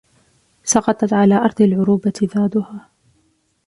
سطعت على أرض العروبة ضادها